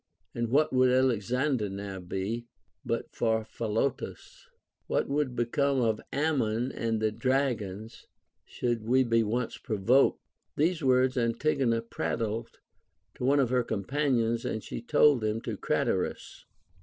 And what would Alexander now be, but for Philo tas ? What would become of Amnion and the dragons, should Ave be once provoked ? These \vords Antigona prat tled to one of her companions, and she told them to Cra terus.